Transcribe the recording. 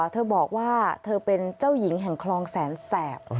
เธอบอกว่าเธอเป็นเจ้าหญิงแห่งคลองแสนแสบ